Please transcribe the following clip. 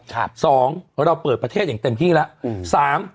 สองเราเปิดประเทศอย่างเต็มที่แล้วอืมสาม